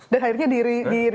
dan akhirnya di retweet juga